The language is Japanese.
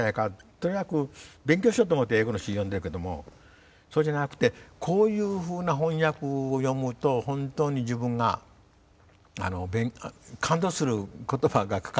とにかく勉強しようと思って英語の詩読んでるけどもそうじゃなくてこういうふうな翻訳を読むと本当に自分が感動する言葉が書かれてる。